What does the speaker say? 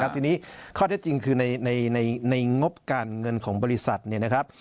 ทีนี้ข้อเท็จจริงคือในงบการเงินของบริษัทเนี่ยนะครับ